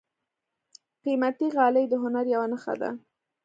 قیمتي غالۍ د هنر یوه نښه ده.